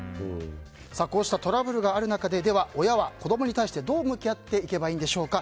こうしたトラブルがある中で親は子供に対してどう向き合っていけばいいんでしょうか。